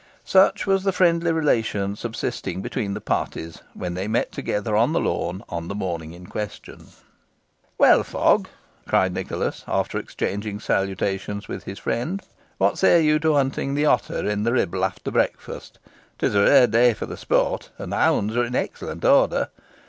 Such was the friendly relation subsisting between the parties when they met together on the lawn on the morning in question. "Well, Fogg," cried Nicholas, after exchanging salutations with his friend, "what say you to hunting the otter in the Ribble after breakfast? 'Tis a rare day for the sport, and the hounds are in excellent order.